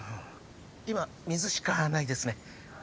今水しかないですね。